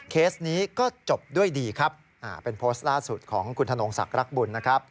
เคสนี้ก็จบด้วยดีครับเป็นโพสต์ล่าสุดของคุณธนงศักดิ์บุญนะครับ